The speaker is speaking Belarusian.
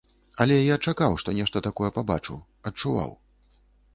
Але я чакаў, што нешта такое пабачу, адчуваў.